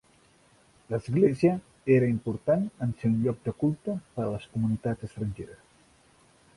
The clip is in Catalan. L'església era important, en ser un lloc de culte per a les comunitats estrangeres.